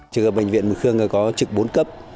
trực bệnh viện mường khương có trực bốn cấp